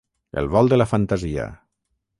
El vol de la fantasia.